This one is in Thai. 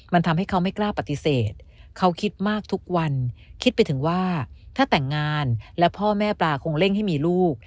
มันทำให้เขาไม่กล้าปฏิเสธเขาคิดมากทุกวันคิดไปถึงว่าถ้าแต่งงานและพ่อแม่ปลาคงเร่งให้มีลูก